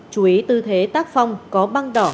chú ý tư thế tác phong có băng đỏ